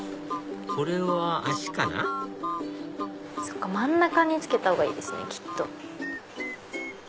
これは脚かなそっか真ん中につけた方がいいですねきっと。